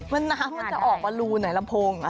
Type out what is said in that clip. มันน้ำมันจะออกมารูหน่อยแล้วพง